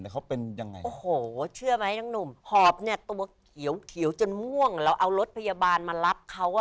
ก็ง่วงไปหมดแล้ว